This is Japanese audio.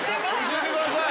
教えてください。